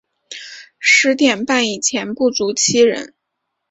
十点半以前不足七人